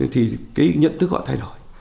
thì cái nhận thức họ thay đổi